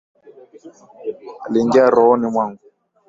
Aliingia rohoni mwangu.